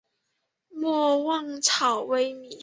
勿忘草微米。